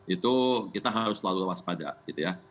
itu kita harus selalu lewas pada gitu ya